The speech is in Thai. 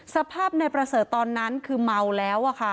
สภาพนายประเสริฐตอนนั้นคือเมาแล้ว